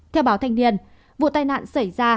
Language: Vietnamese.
theo báo thanh niên vụ tai nạn xảy ra